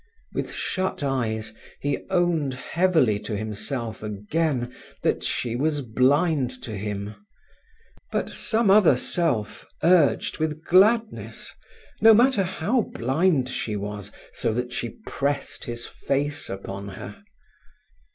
With shut eyes he owned heavily to himself again that she was blind to him. But some other self urged with gladness, no matter how blind she was, so that she pressed his face upon her.